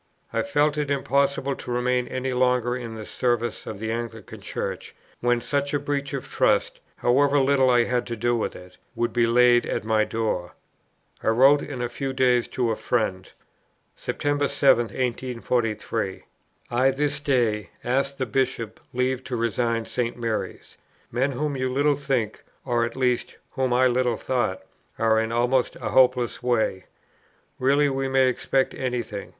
I felt it impossible to remain any longer in the service of the Anglican Church, when such a breach of trust, however little I had to do with it, would be laid at my door. I wrote in a few days to a friend: "September 7, 1843. I this day ask the Bishop leave to resign St. Mary's. Men whom you little think, or at least whom I little thought, are in almost a hopeless way. Really we may expect any thing.